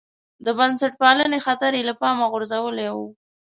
د بنسټپالنې خطر یې له پامه غورځولی و.